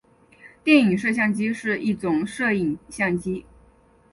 电影摄影机是一种摄影相机。